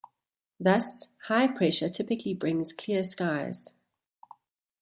Thus, high pressure typically brings clear skies.